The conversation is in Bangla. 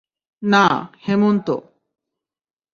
না, হেমন্ত।